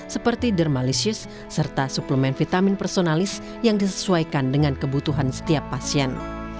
seperti dermalisis serta suplemen vitamin personalis yang disesuaikan dengan kebutuhan setiap pasien